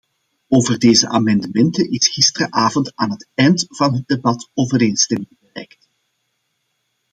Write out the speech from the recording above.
Over deze amendementen is gisteravond aan het eind van het debat overeenstemming bereikt.